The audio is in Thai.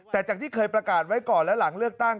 แต่จากที่เคยประกาศไว้ก่อนและหลังเลือกตั้ง